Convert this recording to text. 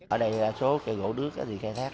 ở đây số gỗ đứt thì khai thác